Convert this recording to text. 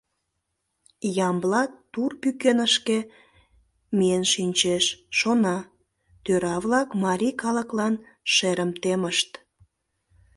Ямблат тур пӱкенышке миен шинчеш, шона: «Тӧра-влак марий калыклан шерым темышт.